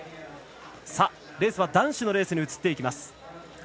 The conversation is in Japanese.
レースは男子のレースに移っていきます。